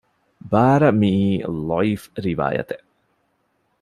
ބާރަ މިއީ ޟަޢީފު ރިވާޔަތެއް